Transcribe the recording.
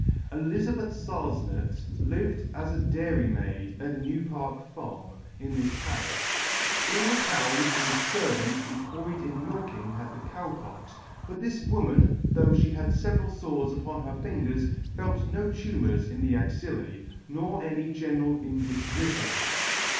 Elizabeth Sarfenet lived as a dairymaid at NeWpark farm, in this parifti. All the cows and the fervants employed in milking had the Cow Pox ; but this woman, though fhe had feveral fores upon her fingers, felt no tumours in the axillae, nor any general indifpofition.